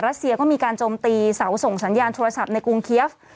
ัสเซียก็มีการโจมตีเสาส่งสัญญาณโทรศัพท์ในกรุงเคียฟ